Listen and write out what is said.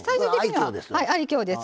はい愛きょうです。